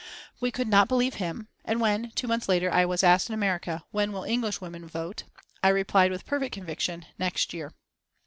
We could not believe him, and when, two months later, I was asked in America: "When will English women vote?" I replied with perfect conviction, "Next year."